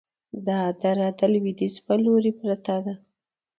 دا دره د لویدیځ په لوري پرته ده،